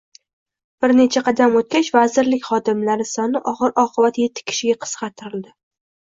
Bir necha qadam o'tgach, vazirlik xodimlari soni oxir -oqibat yetti kishiga qisqartirildi